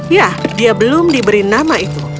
ya dia belum diberi nama itu